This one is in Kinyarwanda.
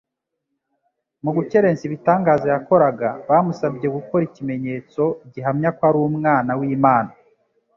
Mu gukerensa ibitangaza yakoraga, bamusabye gukora ikimenyetso gihamya ko ari Umwana w'Imana.